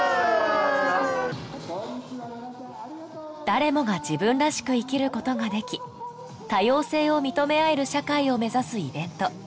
誰もが自分らしく生きることができ多様性を認め合える社会を目指すイベント